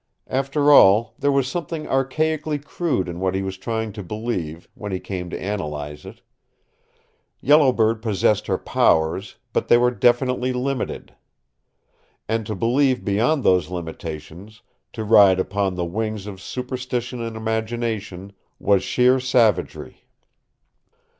After all, there was something archaically crude in what he was trying to believe, when he came to analyze it. Yellow Bird possessed her powers, but they were definitely limited. And to believe beyond those limitations, to ride upon the wings of superstition and imagination, was sheer savagery.